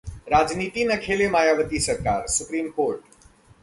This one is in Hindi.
राजनीति न खेले मायावती सरकार: सुप्रीम कोर्ट